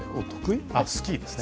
スキーですね。